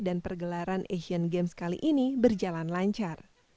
dan pergelaran asian games kali ini berjalan lancar